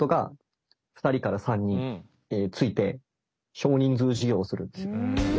少人数授業をするんですよ。